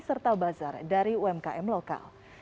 serta bazar dari umkm lokal